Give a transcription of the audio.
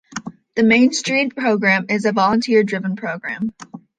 The Main Street program is a volunteer driven program.